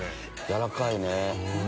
やらかいね。